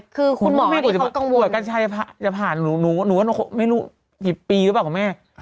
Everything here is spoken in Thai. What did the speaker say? คุณหมอจะพาหากดแชร์หนูไม่รู้กี่ปีหรือเปล่าของแม่